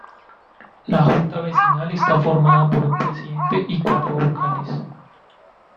La Junta Vecinal está formada por un presidente y cuatro vocales.